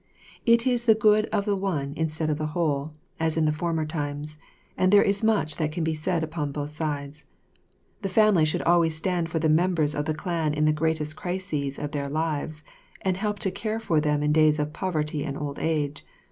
It is the good of the one instead of the whole, as in the former times, and there is much that can be said upon both sides. The family should always stand for the members of the clan in the great crises of their lives, and help to care for them in days of poverty and old age.